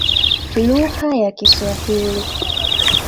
Lugha ya kiswahili.